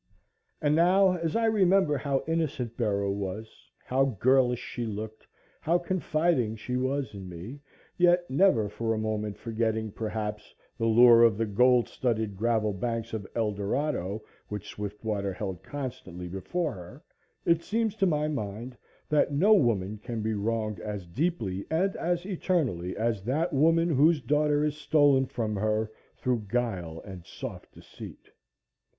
And now, as I remember how innocent Bera was, how girlish she looked, how confiding she was in me, yet never for a moment forgetting, perhaps, the lure of the gold studded gravel banks of Eldorado which Swiftwater held constantly before her, it seems to my mind that no woman can be wronged as deeply and as eternally as that woman whose daughter is stolen from her through guile and soft deceit.